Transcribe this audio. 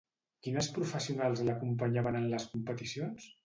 Quines professionals l'acompanyaven en les competicions?